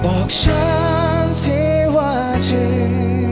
บอกฉันที่ว่าที่